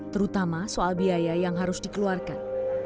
terutama soal biaya yang harus dikeluarkan